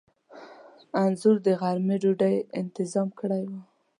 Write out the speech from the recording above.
انځور د غرمې ډوډۍ انتظام کړی و.